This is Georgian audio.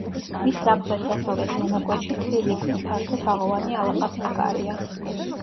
მის სამხრეთ-დასავლეთ მონაკვეთში თლილი ქვის ფართო თაღოვანი ალაყაფის კარია.